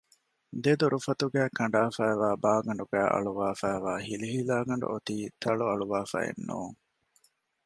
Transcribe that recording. ދެ ދޮރުފަތުގައި ކަނޑާފައިވާ ބާގަނޑުގައި އަޅުވަފައިވާ ހިލިހިލާގަނޑު އޮތީ ތަޅުއަޅުވާފައެއް ނޫން